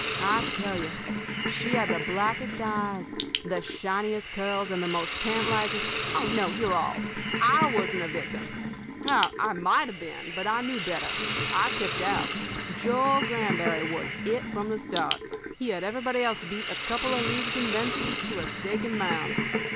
I tell you, she had the blackest eyes, the shiniest curls, and the most tantalizing Oh, no, you're off I wasn't a victim. I might have been, but I knew better. I kept out. Joe Granberry was It from the start. He had everybody else beat a couple of leagues and thence east to a stake and mound.